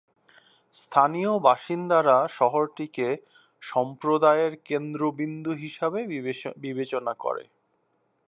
স্থানীয় বাসিন্দারা শহরটিকে সম্প্রদায়ের কেন্দ্রবিন্দু হিসেবে বিবেচনা করে।